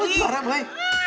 buat juara boy